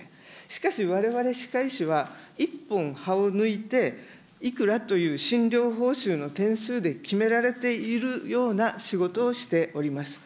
しかし、われわれ歯科医師は、１本歯を抜いていくらという診療報酬の点数で決められているような仕事をしております。